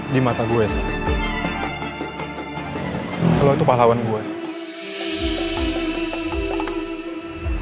nggak mau ngerti